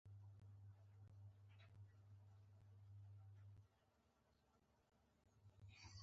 اغلې وان کمپن ته مو ویلي وو چې موږ دواړه ډېر ټینګ ملګري یو.